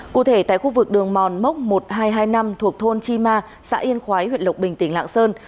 cụ thể tại khu vực đường mòn mốc một nghìn hai trăm hai mươi năm thuộc thôn chi ma xã yên khói huyện lộc bình tỉnh lạng sơn